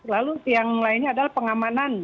lalu yang lainnya adalah pengamanan